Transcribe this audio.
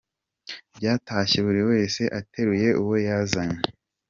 Batashye buri wese ateruye uwo yazanye.